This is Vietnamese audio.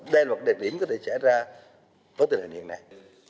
đây là một địa điểm có thể xảy ra với tình hình hiện nay